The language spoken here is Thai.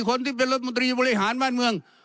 คนที่เป็นรัฐมนตรีบริหารบ้านเมือง